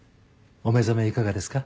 お目覚めいかがですか？